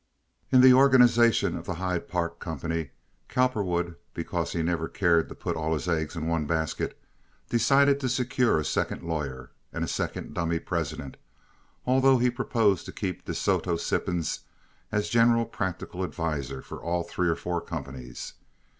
In the organization of the Hyde Park company Cowperwood, because he never cared to put all his eggs in one basket, decided to secure a second lawyer and a second dummy president, although he proposed to keep De Soto Sippens as general practical adviser for all three or four companies.